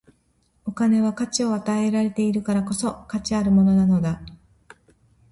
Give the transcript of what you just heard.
お金は価値を与えられているからこそ、価値あるものなのだ。